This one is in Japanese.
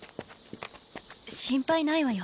心配ないわよ。